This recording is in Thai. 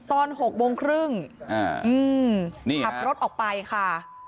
ตอน๖โมงครึ่งขับรถออกไปค่ะ